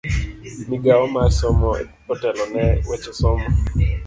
Migao mar somo otelone weche somo.